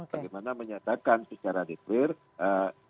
bagaimana menyatakan secara deklarasi